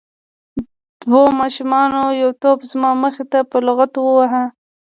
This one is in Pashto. دوو ماشومانو یو توپ زما مخې ته په لغتو وواهه.